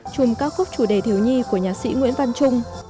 chung các khúc chủ đề thiếu nhi của nhà sĩ nguyễn văn trung